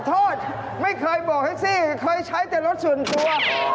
ขอโทษไม่เคยบอกให้สิเคยใช้แต่รถส่วนตัว